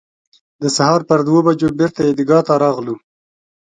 د سهار پر دوه بجو بېرته عیدګاه ته راغلو.